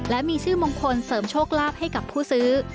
และมีชื่อมงคลเสริมโชคลาภให้กับผู้ซื้อ